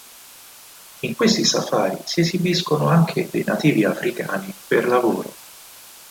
In questi safari si esibiscono anche dei nativi Africani per lavoro.